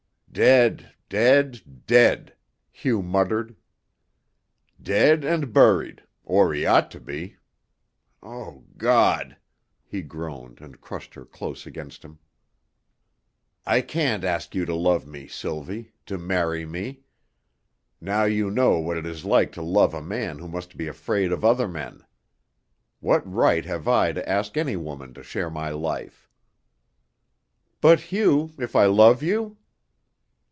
"Dead dead dead," Hugh muttered. "Dead and buried or he ought to be. O God!" he groaned, and crushed her close against him; "I can't ask you to love me, Sylvie to marry me. Now you know what it is like to love a man who must be afraid of other men. What right have I to ask any woman to share my life?" "But, Hugh if I love you?"